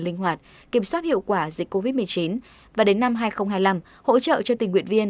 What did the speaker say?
linh hoạt kiểm soát hiệu quả dịch covid một mươi chín và đến năm hai nghìn hai mươi năm hỗ trợ cho tình nguyện viên